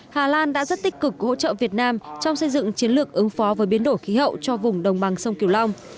hà lan đã rất tích cực hỗ trợ việt nam trong xây dựng chiến lược ứng phó với biến đổi khí hậu cho vùng đồng bằng sông kiều long